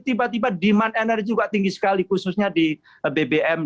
tiba tiba demand energy juga tinggi sekali khususnya di bbm